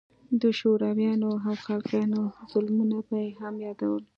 د شورويانو او خلقيانو ظلمونه به يې هم يادول.